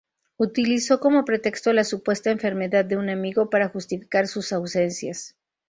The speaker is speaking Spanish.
Utilizó como pretexto la supuesta enfermedad de un amigo para justificar sus ausencias.